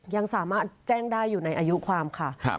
ยังสามารถแจ้งได้อยู่ในอายุความค่ะ